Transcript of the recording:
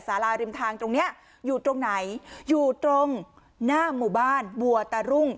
สาราริมทางตรงเนี้ยอยู่ตรงไหนอยู่ตรงหน้าหมู่บ้านบัวตารุ่ง